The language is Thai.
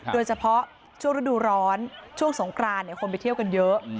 โดยเฉพาะช่วงฤดูร้อนช่วงสงกรานคนไปเที่ยวกันเยอะ